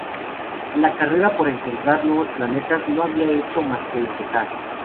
La carrera por encontrar nuevos planetas no había hecho más que empezar.